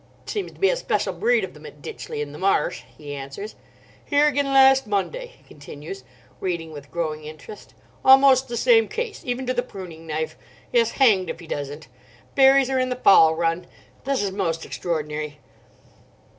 "Seems to be a special breed of them at Ditchley in the Marsh," he answers. "Here again last Monday," he continues, reading with growing interest. "Almost the same case—even to the pruning knife. Yes, hanged if he doesn't!—buries her in the fowl run. This is most extraordinary."